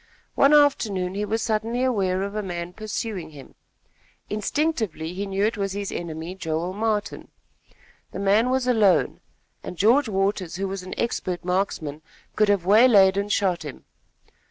One afternoon he was suddenly aware of a man pursuing him. Instinctively, he knew it was his enemy Joel Martin. The man was alone, and George Waters, who was an expert marksman, could have waylaid and shot him.